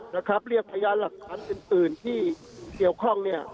นะครับเลี่ยงพยายามหลักฐานทางอื่นที่เหี่ยวข้อง